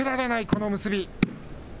この結び。